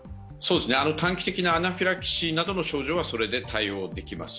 短期的なアナフィラキシーなどの症状はそれで対応できます。